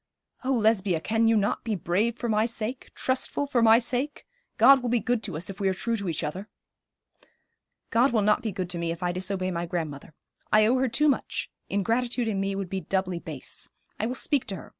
'Oh, Lesbia, can you not be brave for my sake trustful for my sake? God will be good to us if we are true to each other.' 'God will not be good to me if I disobey my grandmother. I owe her too much; ingratitude in me would be doubly base. I will speak to her.